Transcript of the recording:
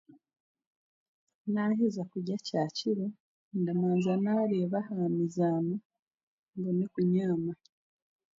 Naayeza kurya kyaakiro, ndamanza naareeba aha mizaano, mbone kunyaama.